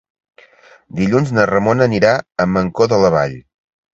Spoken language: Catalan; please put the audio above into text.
Dilluns na Ramona anirà a Mancor de la Vall.